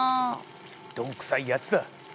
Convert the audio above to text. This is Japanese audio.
鈍くさいやつだ！